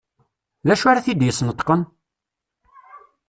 D acu ara t-id-yesneṭqen?